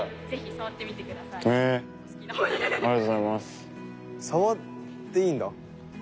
触っていいんだ。